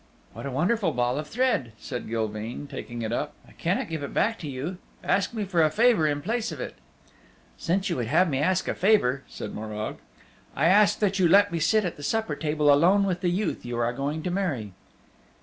"What a wonderful ball of thread," said Gilveen, taking it up. "I cannot give it back to you. Ask me for a favor in place of it." "Since you would have me ask a favor," said Morag, "I ask that you let me sit at the supper table alone with the youth you are going to marry."